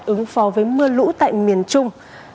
ứng pho với mưa lũ tại miền trung